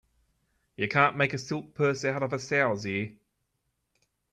You can't make a silk purse out of a sow's ear.